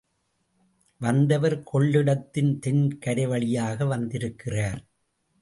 வந்தவர் கொள்னிடத்தின் தென் கரைவழியாக வந்திருக்கிறார்.